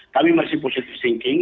kami masih positive thinking